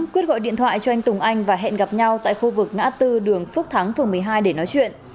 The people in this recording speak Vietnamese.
quyết gọi điện thoại cho anh tùng anh và hẹn gặp nhau tại khu vực ngã tư đường phước thắng phường một mươi hai để nói chuyện